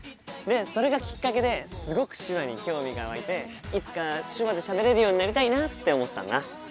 それがきっかけですごく手話に興味が湧いていつか手話でしゃべれるようになりたいなって思ったんだ。